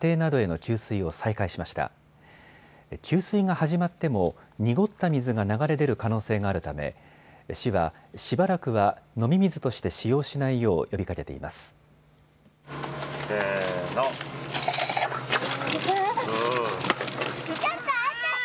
給水が始まっても濁った水が流れ出る可能性があるため市はしばらくは飲み水として使用しないよう呼びかけています。